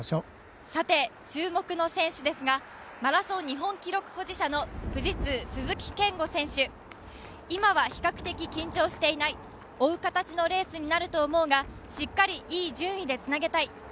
さて注目の選手ですが、マラソン日本記録保持者の富士通・鈴木健吾選手今は比較的緊張していない、追う形のレースになると思うが、しっかりいい順位でつなぎたい。